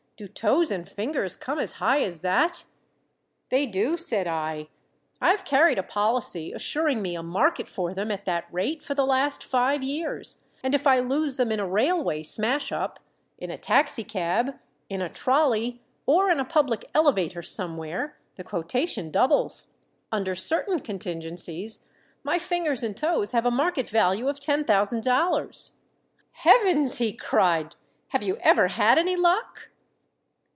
"Do toes and fingers come as high as that?" "They do," said I. "I've carried a policy assuring me a market for them at that rate for the last five years, and if I lose them in a railway smash up, in a taxicab, in a trolley, or in a public elevator somewhere, the quotation doubles. Under certain contingencies my fingers and toes have a market value of ten thousand dollars." "Heavens!" he cried. "_Have you ever had any luck?